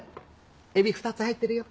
エビ二つ入ってるよ。